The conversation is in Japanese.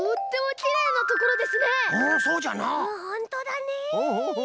ほんとだね。